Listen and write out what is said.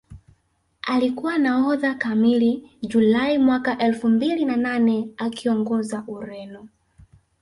Alikuwa nahodha kamili Julai mwaka elfu mbili na nane akiongoza Ureno